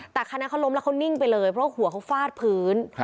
แต่คันนั้นเขาล้มแล้วเขานิ่งไปเลยเพราะหัวเขาฟาดพื้น